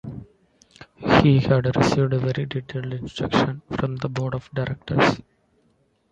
He had received very detailed instructions from the board of directors.